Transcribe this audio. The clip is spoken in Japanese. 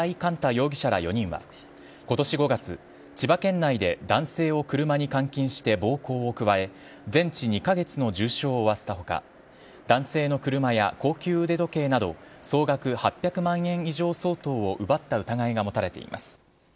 容疑者ら４人はことし５月、千葉県内で男性を車に監禁して暴行を加え、全治２か月の重傷を負わせたほか、男性の車や高級腕時計など総額８００万円相当以上を奪った疑いが持たれています。